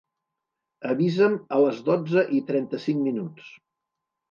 Avisa'm a les dotze i trenta-cinc minuts.